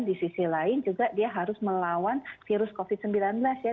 di sisi lain juga dia harus melawan virus covid sembilan belas ya